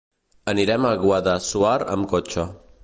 Anirem a Guadassuar amb cotxe.